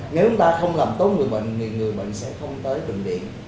nếu ta không làm tốt người bệnh thì người bệnh sẽ không tới trường điện